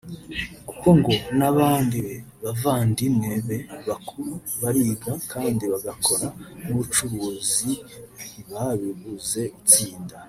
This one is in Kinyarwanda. kuko ngo n’abandi bavandimwe be bakuru bariga kandi bagakora n’ubucuruzi ntibibabuze gutsinda